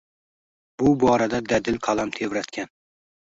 Bu borada dadil qalam tebratgan.